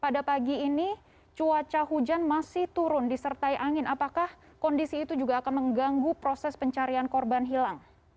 pada pagi ini cuaca hujan masih turun disertai angin apakah kondisi itu juga akan mengganggu proses pencarian korban hilang